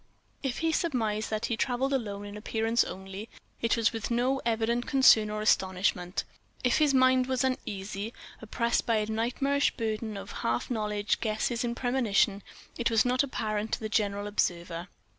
If he surmised that he travelled alone in appearance only, it was with no evident concern or astonishment. If his mind was uneasy, oppressed by a nightmarish burden of half knowledge, guesses, and premonition, it was not apparent to the general observer.